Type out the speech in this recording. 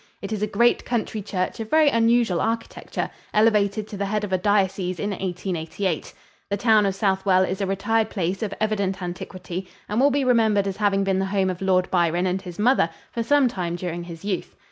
It is a great country church of very unusual architecture, elevated to the head of a diocese in 1888. The town of Southwell is a retired place of evident antiquity and will be remembered as having been the home of Lord Byron and his mother for some time during his youth.